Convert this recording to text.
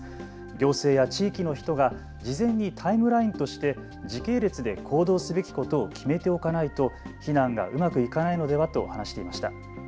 行政や地域の人が事前にタイムラインとして時系列で行動すべきことを決めておかないと避難がうまくいかないのではと話していました。